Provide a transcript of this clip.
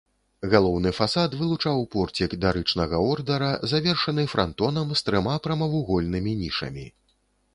Галоўны фасад вылучаў порцік дарычнага ордара, завершаны франтонам, з трыма прамавугольнымі нішамі.